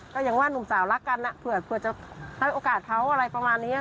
อย่างว่านุ่มสาวรักกันเผื่อจะให้โอกาสเขาอะไรประมาณนี้